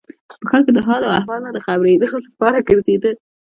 په ښار کې د حال و احوال نه د خبرېدو لپاره ګرځېده.